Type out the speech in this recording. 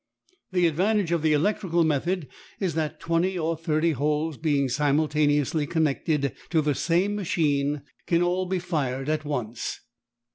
The advantage of the electrical method is that twenty or thirty holes being simultaneously connected to the same machine can all be fired at once.